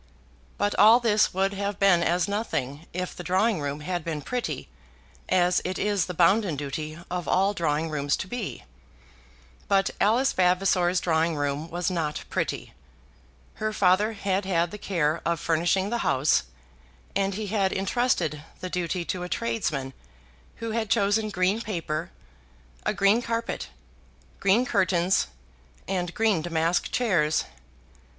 But all this would have been as nothing if the drawing room had been pretty as it is the bounden duty of all drawing rooms to be. But Alice Vavasor's drawing room was not pretty. Her father had had the care of furnishing the house, and he had intrusted the duty to a tradesman who had chosen green paper, a green carpet, green curtains, and green damask chairs.